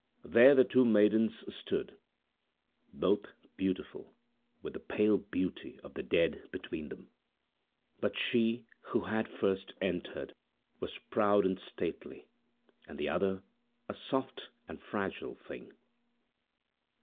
There the two maidens stood, both beautiful, with the pale beauty of the dead between them. But she, who had first entered, was proud and stately; and the other, a soft and fragile thing.